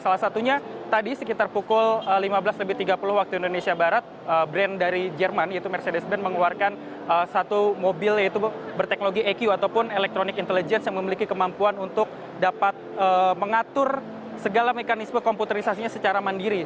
salah satunya tadi sekitar pukul lima belas tiga puluh waktu indonesia barat brand dari jerman yaitu mercedes ben mengeluarkan satu mobil yaitu berteknologi eq ataupun electronic intelligence yang memiliki kemampuan untuk dapat mengatur segala mekanisme komputerisasinya secara mandiri